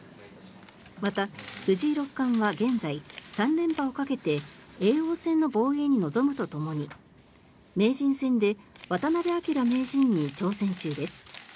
また、藤井六冠は現在３連覇をかけて叡王戦の防衛に臨むとともに名人戦で渡辺明名人に挑戦中です。